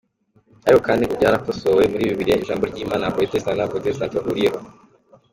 Ariko kandi ngo byarakosowe muri Bibiliya Ijambo ry’Imana abaporotestanti n’abaporotesitanti bahuriyeho.